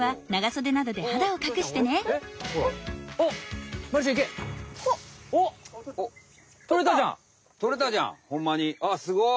あっすごい。